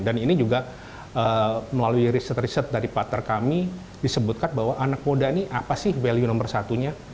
dan ini juga melalui riset riset dari partner kami disebutkan bahwa anak muda ini apa sih value nomor satunya